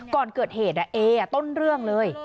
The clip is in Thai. ก่อนเกิดเหตุเอต้นเรื่องเลย